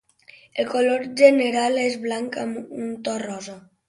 El color general és blanc amb un to rosa.